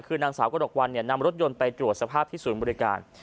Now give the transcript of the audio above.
คือนางสาวกระดกวันนำรถยนต์ไปตรวจสภาพที่ศูนย์บริการ